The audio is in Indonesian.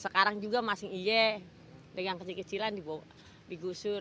sekarang juga masih iya dengan kecil kecilan digusur